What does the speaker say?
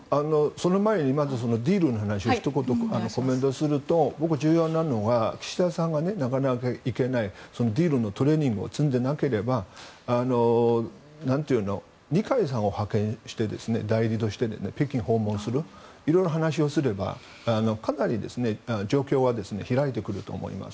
その前に、ディールの話をひと言コメントすると僕が重要だと思うのが岸田さんが行けなければならないディールのトレーニングを積んでいなければ二階さんを派遣して代理としてでも北京訪問するいろいろ話をすればかなり状況は開いてくると思います。